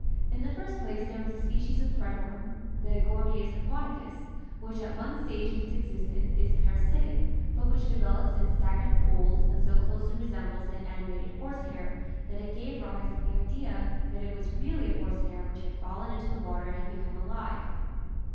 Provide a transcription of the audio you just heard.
In the first place there is a species of threadworm (the Gor dius aquaticus) which at one stage of its existence is para sitic but which develops in stagnant pools and so closely resembles an animated horsehair that it gave rise to the idea that it was really a horsehair which had fallen into the water and had become alive.